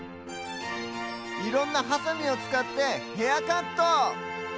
いろんなハサミをつかってヘアカット！